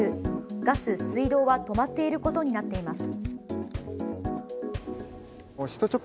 ガス、水道は止まっていることになっています。